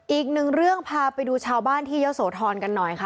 อีกหนึ่งเรื่องพาไปดูชาวบ้านที่เยอะโสธรกันหน่อยค่ะ